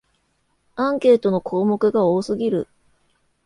アンケートの項目が多すぎる